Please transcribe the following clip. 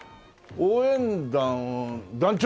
応援団団長？